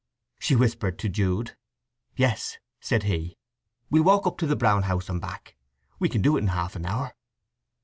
she whispered to Jude. "Yes," said he. "We'll walk up to the Brown House and back, we can do it in half an hour."